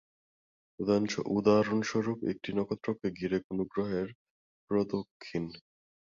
উদাহরণস্বরূপ একটি নক্ষত্রকে ঘিরে কোনো গ্রহের প্রদক্ষিণ।